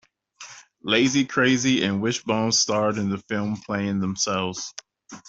Layzie, Krayzie, and Wish Bone starred in the film, playing themselves.